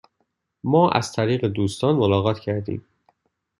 ما از طریق دوستان ملاقات کردیم.